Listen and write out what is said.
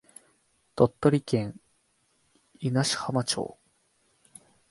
鳥取県湯梨浜町